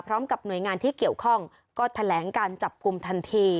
พร้อมกับหน่วยงานที่เกี่ยวข้องก็แถลงการจับกลุ่มทันที